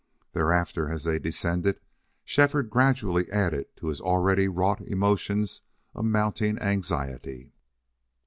Thereafter, as they descended, Shefford gradually added to his already wrought emotions a mounting anxiety.